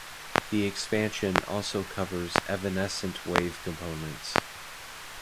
The expansion also covers evanescent wave components.